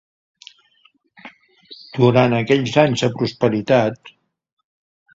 Durant aquells anys de prosperitat.